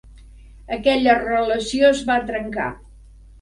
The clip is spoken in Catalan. Aquella relació es va trencar.